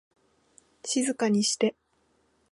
静かにして